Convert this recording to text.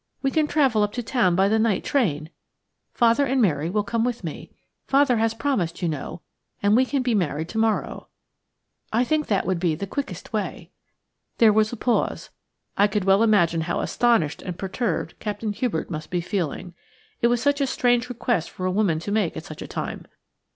We can travel up to town by the night train. Father and Mary will come with me. Father has promised, you know, and we can be married to morrow ... I think that would be the quickest way." There was a pause. I could well imagine how astonished and perturbed Captain Hubert must be feeling. It was such a strange request for a woman to make at such a time.